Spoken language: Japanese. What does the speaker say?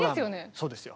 そうですよ。